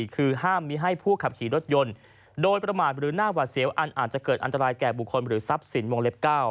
คือห้ามมีให้ผู้ขับขี่รถยนต์โดยประมาทหรือหน้าหวัดเสียวอันอาจจะเกิดอันตรายแก่บุคคลหรือทรัพย์สินวงเล็บ๙